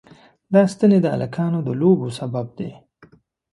دا ستنې د هلکانو د لوبو سبب دي.